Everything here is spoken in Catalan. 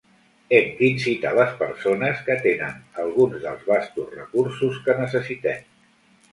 Hem d'incitar les persones que tenen alguns dels vastos recursos que necessitem.